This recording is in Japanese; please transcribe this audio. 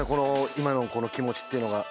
今のこの気持ちっていうのが。